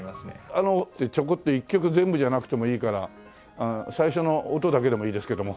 あのちょこっと一曲全部じゃなくてもいいから最初の音だけでもいいですけどもなんかありますかね？